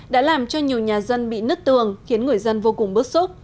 đã làm cho nhiều nhà dân bị nứt tường khiến người dân vô cùng bức xúc